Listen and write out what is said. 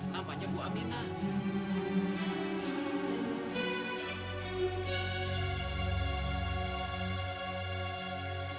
namanya bu aminah